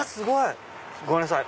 ごめんなさい